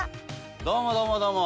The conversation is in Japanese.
どうもどうもどうも！